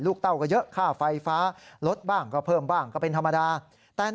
เต้าก็เยอะค่าไฟฟ้าลดบ้างก็เพิ่มบ้างก็เป็นธรรมดาแต่